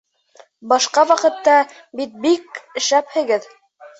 Башҡа ваҡытта бит бик шәпһегеҙ!